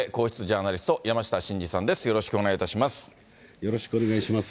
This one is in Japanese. よろしくお願いします。